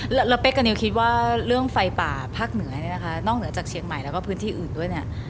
แล้วเป๊กกับนิวคิดว่าเรื่องไฟป่าภาคเหนือเนี่ยนะคะนอกเหนือจากเชียงใหม่แล้วก็พื้นที่อื่นด้วยเนี่ย